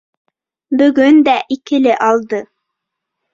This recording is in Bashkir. Бөгөн дә «икеле» алды